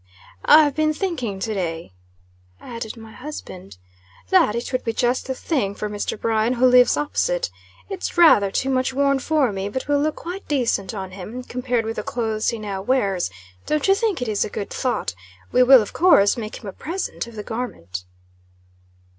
"I've been thinking to day," added my husband, "that it would be just the thing for Mr. Bryan, who lives opposite. It's rather too much worn for me, but will look quite decent on him, compared with the clothes he now wears. Don't you think it is a good thought? We will, of course, make him a present of the garment."